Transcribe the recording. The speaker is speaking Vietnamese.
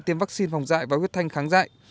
với vaccine phòng dạy và huyết thanh kháng dạy